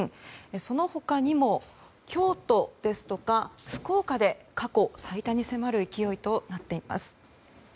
その他にも京都や福岡で過去最多に迫る勢いとなっています。